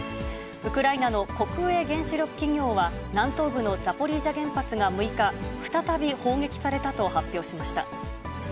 ウクライナの国営原子力企業は、南東部のザポリージャ原発が６日、再び砲撃されたと発表しました。